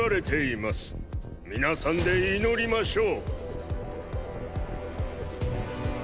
皆さんで祈りましょう。